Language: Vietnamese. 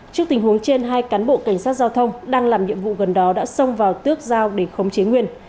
trước tình huống trên hai cán bộ cảnh sát giao thông đang làm nhiệm vụ gần đó đã xông vào tước dao để khống chế nguyên